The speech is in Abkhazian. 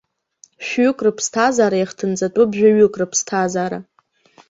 Шәҩык рыԥсҭазаара иахҭынҵатәуп жәаҩык рыԥсҭазаара.